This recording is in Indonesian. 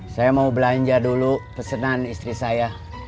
saya mau belanja dulu pesanan istri saya